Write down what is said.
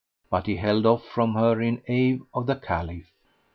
But he held off from her in awe of the Caliph.